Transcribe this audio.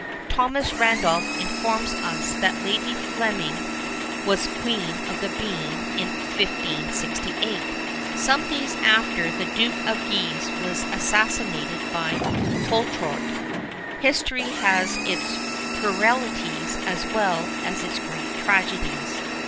Thomas Randolph informs us that Lady Flemyng was queen of the bean in 1568.[VIII 17] Some days after the Duke of Guise was assassinated by Poltrot. History has its puerilities as well as its great tragedies.